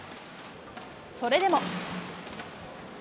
それでも。